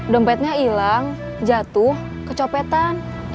dompetnya hilang jatuh kecopetan